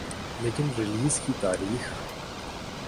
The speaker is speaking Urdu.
لیکن ریلیز کی تاریخ